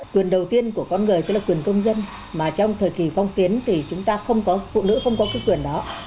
quyền đầu tiên của con người tức là quyền công dân mà trong thời kỳ phong kiến thì chúng ta không có phụ nữ không có cái quyền đó